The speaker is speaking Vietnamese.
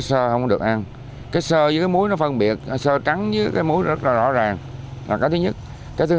nhưng ông có v zeggen rằng đây là trường hợp hành cắt được